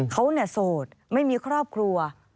เขาโสดไม่มีครอบครัว